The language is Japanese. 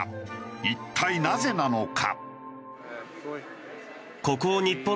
一体なぜなのか？